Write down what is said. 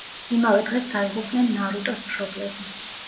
იმავე დღეს დაიღუპნენ ნარუტოს მშობლები.